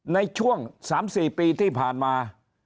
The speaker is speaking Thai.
ในช่วง๓๔ปีที่ผ่านมา